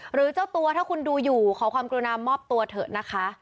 หรือเจ้าตัวถ้าคุณดูอยู่ขอความกรุณามอบตัวเถอะนะคะ